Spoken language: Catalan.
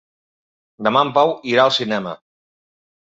Demà en Pau irà al cinema.